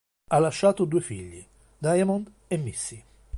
Ha lasciato due figli: Diamond e Missy.